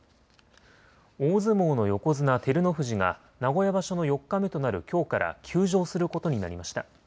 大相撲の横綱、照ノ富士が名古屋場所の４日目となるきょうから休場することになりました。